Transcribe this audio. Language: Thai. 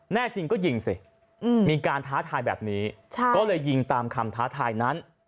แน่จริงก็ยิงสิมีการท้าทายแบบนี้ก็เลยยิงตามคำท้าทายนั้น